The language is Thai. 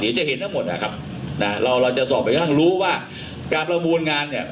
เดี๋ยวจะเห็นทั้งหมดนะครับเราจะสอบไปทางรู้ว่าการประมวลงานเนี่ย